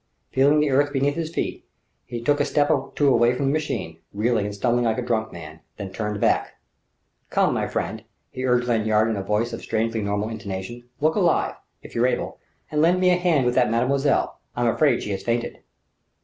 Feeling the earth beneath his feet, he took a step or two away from the machine, reeling and stumbling like a drunken man, then turned back. "Come, my friend!" he urged Lanyard in a voice of strangely normal intonation "look alive if you're able and lend me a hand with mademoiselle. I'm afraid she has fainted."